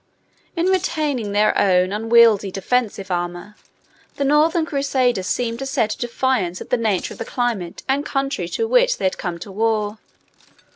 In retaining their own unwieldy defensive armour, the Northern Crusaders seemed to set at defiance the nature of the climate and country to which they had come to war.